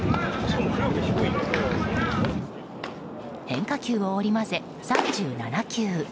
変化球を織り交ぜ３７球。